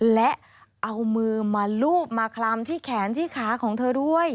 และเอามือมาลูบมาคลำที่แขนที่ขาของเธอด้วย